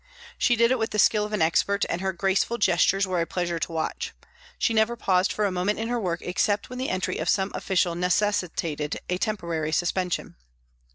She did it with the skill of an expert and her graceful gestures were a pleasure to watch. She never paused for a moment in her work except when the entry of some official necessitated a temporary suspension.